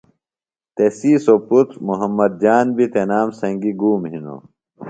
تسی سوۡ پُتر محمد جان بیۡ تنام سنگی گُوم ہِنوۡ